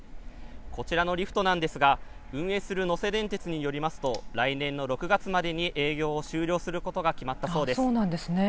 こちらのリフトなんですが運営する能勢電鉄によりますと来年の６月までに休業することが決まったそうです。